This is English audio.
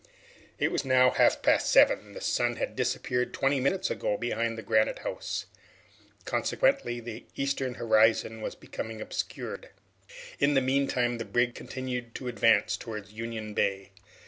It was now half past seven. The sun had disappeared twenty minutes ago behind Granite House. Consequently the Eastern horizon was becoming obscured. In the meanwhile the brig continued to advance towards Union Bay.